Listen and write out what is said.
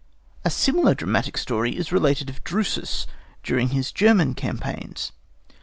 A similar dramatic story is related of Drusus during his German campaigns.